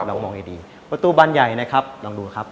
เรามองให้ดีประตูบรรยายนะครับลองดูครับ